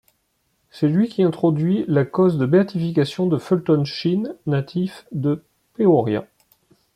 C'est lui qui introduit la cause de béatification de Fulton Sheen, natif de Peoria.